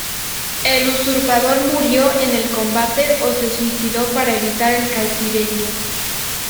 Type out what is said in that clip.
El usurpador murió en el combate, o se suicidó para evitar el cautiverio.